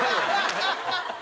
ハハハハ！